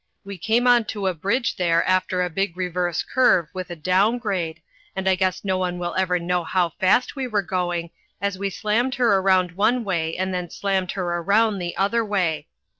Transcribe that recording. We came on to a bridge there after a big reverse curve with a down grade, and I guess no one will ever know how fast we were going, as we slammed her around one way and then slammed her around the other way.